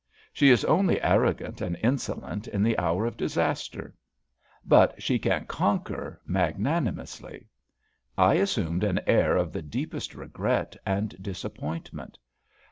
She is only arrogant and insolent in the hour of disaster; but she can conquer magnanimously. I assumed an air of the deepest regret and disappointment.